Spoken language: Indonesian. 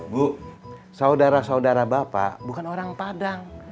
bu saudara saudara bapak bukan orang padang